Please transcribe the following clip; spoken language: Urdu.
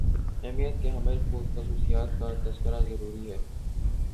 اہمیت کی حامل خصوصیات کا تذکرہ ضروری ہے